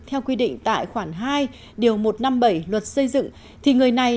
theo quy định tại khoản hai điều một trăm năm mươi bảy luật xây dựng